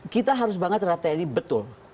kita harus banget terhadap tni betul